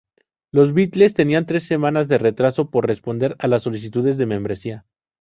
Los Beatles tenían tres semanas de retraso para responder a las solicitudes de membresía.